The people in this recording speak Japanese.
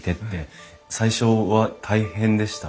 最初は大変でした？